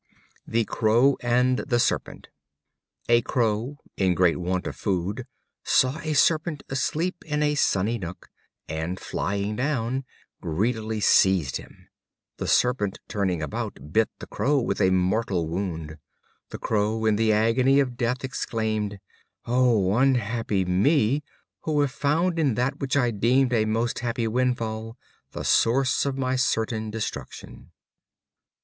The Crow and the Serpent. A Crow, in great want of food, saw a Serpent asleep in a sunny nook, and flying down, greedily seized him. The Serpent, turning about, bit the Crow with a mortal wound. The Crow in the agony of death exclaimed: "O unhappy me! who have found in that which I deemed a most happy windfall the source of my certain destruction."